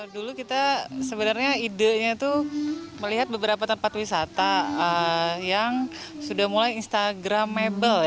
dulu kita sebenarnya idenya itu melihat beberapa tempat ya kejayaan itu piramid itu tempat yang belum terberkumpul dengan weirdly which the most impressive visit